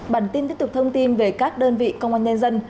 bản tin tiếp tục thông tin về các đơn vị công an nhân dân